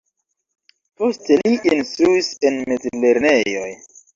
Poste li instruis en mezlernejoj.